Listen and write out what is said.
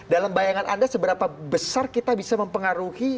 dalam bayangan anda seberapa besar kita bisa mempengaruhi